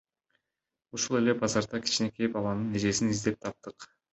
Ушул эле базарда кичинекей баланын эжесин издеп таптык.